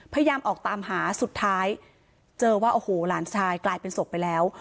พยายามออกตามหาสุดท้ายเจอว่าโอ้โหหลานชายกลายเป็นศพไปแล้ว